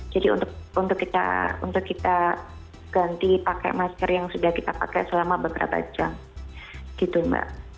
jadi untuk kita ganti pakai masker yang sudah kita pakai selama beberapa jam